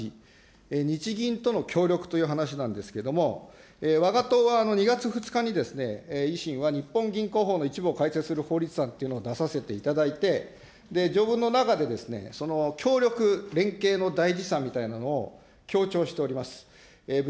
日銀との協力という話なんですけれども、わが党は、２月２日に維新は日本銀行法の一部を改正する法律案というのを出させていただいて、条文の中で、協力、連携の大事さみたいなのを強調しております。